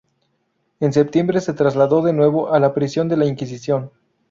En septiembre se le trasladó de nuevo a la prisión de la Inquisición.